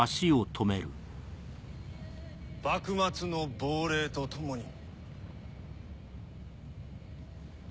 幕末の亡霊と共に。